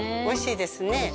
おいしいですね。